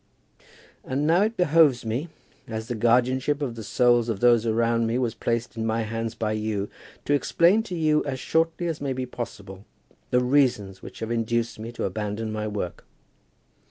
And now it behoves me, as the guardianship of the souls of those around me was placed in my hands by you, to explain to you as shortly as may be possible the reasons which have induced me to abandon my work.